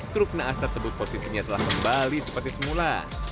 truk naas tersebut posisinya telah kembali seperti semula